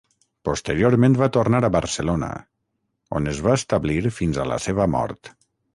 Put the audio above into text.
Posteriorment va tornar a Barcelona, on es va establir fins a la seva mort.